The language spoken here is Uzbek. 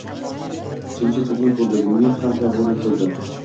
Jimjit zulmat bo‘ldi. Mungli ham qayg‘uli bo‘ldi.